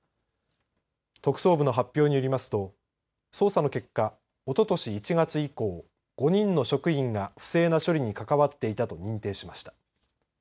特捜部の発表によりますと捜査の結果、おととし１月以降５人の職員が不正な処理に関わっていたと認定しました。